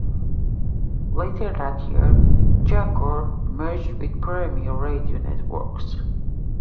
Later that year, Jacor merged with Premiere Radio Networks.